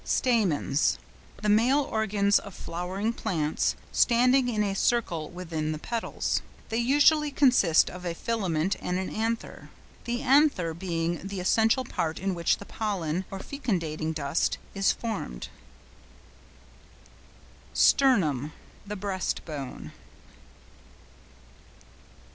STAMENS.—The male organs of flowering plants, standing in a circle within the petals. They usually consist of a filament and an anther, the anther being the essential part in which the pollen, or fecundating dust, is formed. STERNUM.—The breast bone.